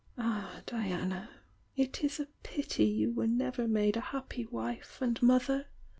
"Ah, Diana, it is a pity you were never made {jfPPy wife and mother!"